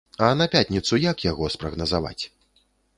А на пятніцу як яго спрагназаваць?